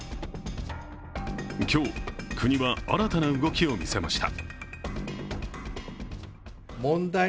今日、国は新たな動きを見せました